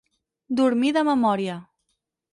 Dormir de memòria.